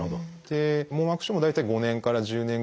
網膜症も大体５年から１０年ぐらい。